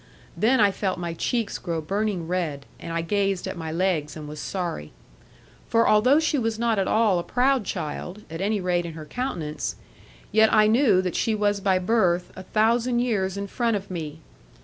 Then I felt my cheeks grow burning red, and I gazed at my legs and was sorry. For although she was not at all a proud child (at any rate in her countenance), yet I knew that she was by birth a thousand years in front of me.